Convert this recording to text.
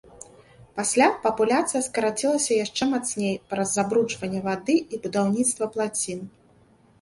Пасля папуляцыя скарацілася яшчэ мацней праз забруджванне вады і будаўніцтва плацін.